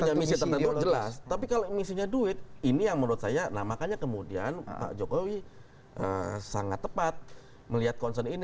punya misi tertentu jelas tapi kalau misinya duit ini yang menurut saya nah makanya kemudian pak jokowi sangat tepat melihat concern ini